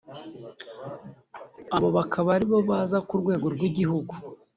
abo bakaba aribo baza ku rwego rw’igihugu